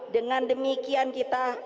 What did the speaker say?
dengan demikian kita